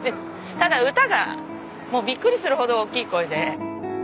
ただ歌がもうビックリするほど大きい声で。